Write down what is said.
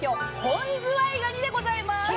本ズワイガニでございます！